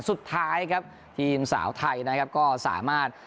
สุดท้ายครับทีมสาวไทยก็สามารถ